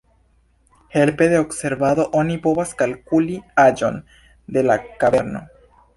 Helpe de observado oni povas kalkuli aĝon de la kaverno.